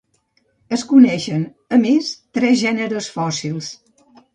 Es coneixen a més tres gèneres fòssils.